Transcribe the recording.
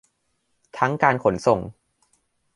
ทั้งการขนส่ง